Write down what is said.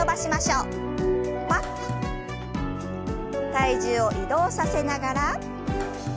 体重を移動させながら。